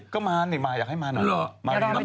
ก็มานี่มาอยากให้มาหน่อย